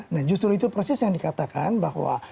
nah justru itu persis yang dikatakan bahwa